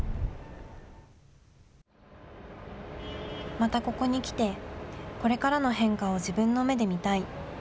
またここに来て、これからの変化を自分の目で見たい。